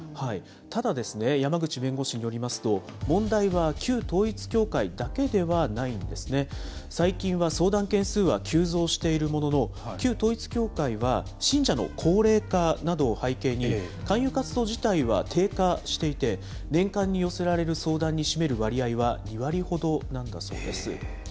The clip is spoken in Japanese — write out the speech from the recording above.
ただ、山口弁護士によりますと、問題は旧統一教会だけではないんですね。最近は、相談件数は急増しているものの、旧統一教会は信者の高齢化などを背景に、勧誘活動自体は低下していて、年間に寄せられる相談に占める割合は２割ほどなんだそうです。